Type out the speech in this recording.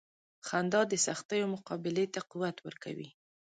• خندا د سختیو مقابلې ته قوت ورکوي.